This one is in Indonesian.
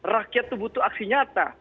rakyat itu butuh aksi nyata